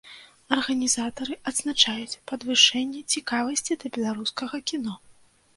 Арганізатары адзначаюць падвышэнне цікавасці да беларускага кіно.